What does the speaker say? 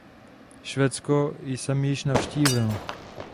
Švédsko jsem již navštívil .